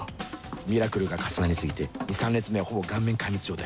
ミラクルが重なり過ぎて２３列目はほぼ顔面壊滅状態